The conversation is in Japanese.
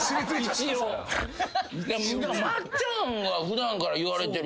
松っちゃんは普段から言われてるから。